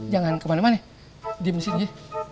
jangan kemana mana diam disini ya